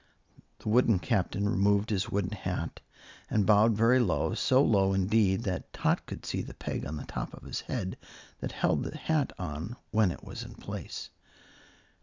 The wooden Captain removed his wooden hat and bowed very low, so low indeed that Tot could see the peg on the top of his head that held the hat on when it was in place.